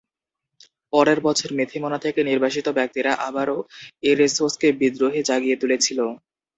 পরের বছর, মেথিমনা থেকে নির্বাসিত ব্যক্তিরা আবারও এরেসোসকে বিদ্রোহে জাগিয়ে তুলেছিল।